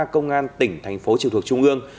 công an tỉnh thành phố trường thuộc trung gương